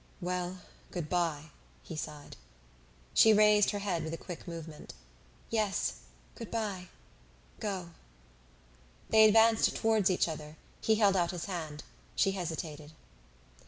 "Well, good bye," he sighed. She raised her head with a quick movement. "Yes, good bye go!" They advanced towards each other; he held out his hand; she hesitated.